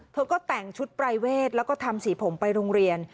เธอก็แต่งชุดปรายเวทแล้วก็ทำสีผมไปโรงเรียน